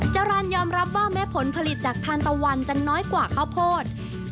จรรย์ยอมรับว่าแม้ผลผลิตจากทานตะวันจะน้อยกว่าข้าวโพด